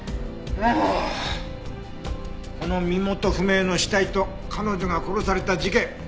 もうこの身元不明の死体と彼女が殺された事件